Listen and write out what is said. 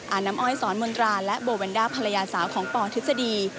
อานำอ้อยสอนมนตราและโบวันด้าภรรยาสาวของปธศดี